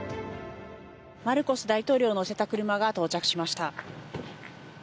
マルコス大統領を乗せた車が到着しました。